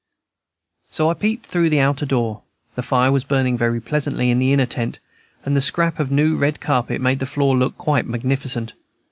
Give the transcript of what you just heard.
So I peeped through the outer door. The fire was burning very pleasantly in the inner tent, and the scrap of new red carpet made the floor look quite magnificent.